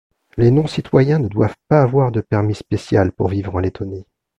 Les non-citoyens ne doivent pas avoir de permis spécial pour vivre en Lettonie.